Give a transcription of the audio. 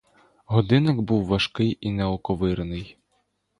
Годинник був важкий і неоковирний.